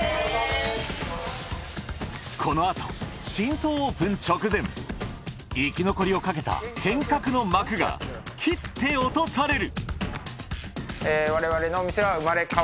このあと新装オープン直前生き残りをかけた変革の幕が切って落とされる。